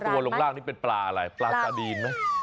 ลงล่างนี่เป็นปลาอะไรปลาซาดีนไหม